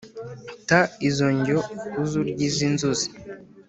ta izo njyo uze urye izi nzuzi.